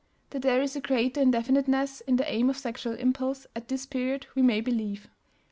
That there is a greater indefiniteness in the aim of the sexual impulse at this period we may well believe.